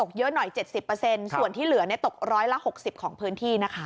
ตกเยอะหน่อยเจ็ดสิบเปอร์เซ็นต์ส่วนที่เหลือเนี่ยตกร้อยละหกสิบของพื้นที่นะคะ